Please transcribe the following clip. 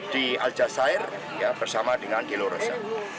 di aljasair bersama dengan di loroza